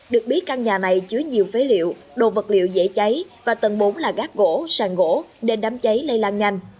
được biết căn nhà này chứa nhiều phế liệu đồ vật liệu dễ cháy và tầng bốn là gác gỗ sàn gỗ nên đám cháy lây lan nhanh